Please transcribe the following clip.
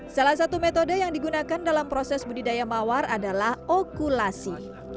salah satu metode yang digunakan dalam proses budidaya mawar adalah okulasi